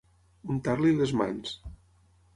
Untar-li les mans.